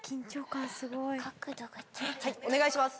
はい、お願いします！